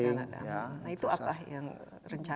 nah itu apa yang rencananya sih